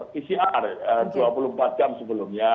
pcr dua puluh empat jam sebelumnya